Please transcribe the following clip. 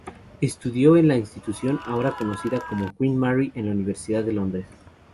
Estudió en la institución ahora conocida como Queen Mary, de la Universidad de Londres.